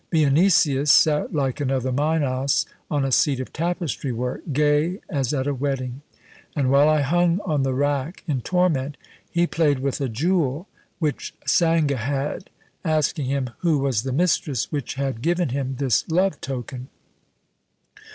Vianesius sat like another Minos on a seat of tapestry work, gay as at a wedding; and while I hung on the rack in torment, he played with a jewel which Sanga had, asking him who was the mistress which had given him this love token?